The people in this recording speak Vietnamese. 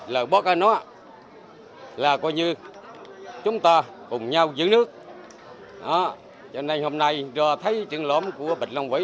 lần bắt nó là coi như chúng ta cùng nhau giữ nước đó cho nên hôm nay rồi thấy trường lõm của bạch long vĩ